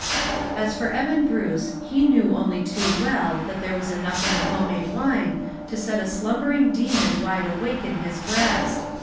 As for Eben Bruce, he knew only too well that there was enough in the home made wine to set a slumbering demon wide awake in his breast.